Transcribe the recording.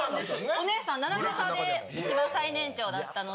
お姉さん７コ差で一番最年長だったので。